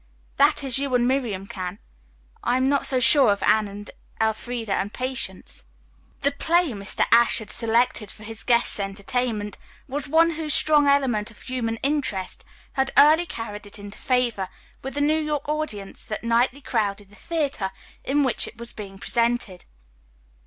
"That is, you and Miriam can. I'm not so sure of Anne and Elfreda and Patience." The play Mr. Ashe had selected for his guests' entertainment was one whose strong element of human interest had early carried it into favor with the New York audience that nightly crowded the theatre in which it was being presented.